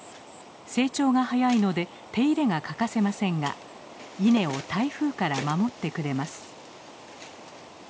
成長が早いので手入れが欠かせませんが稲を台風から守ってくれます。